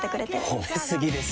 褒め過ぎですよ。